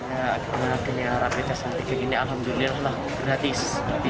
ya akhirnya rapid test antigen ini alhamdulillah gratis